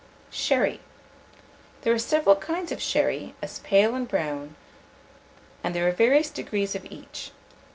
SHERRY. There are several kinds of sherry, as pale and brown, and there are various degrees of each.